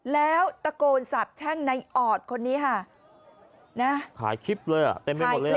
แล้วตะโกนสาบแช่งในออดคนนี้ฮะนะถ่ายคลิปเลยอ่ะ